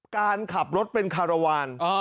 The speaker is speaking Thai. การขับรถเป็นคารวาล